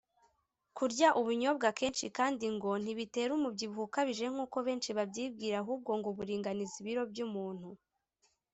Kurya ubunyobwa kenshi kandi ngo ntibitera umubyibuho ukabije nkuko benshi babyibwira ahubwo ngo buringaniza ibiro by’umuntu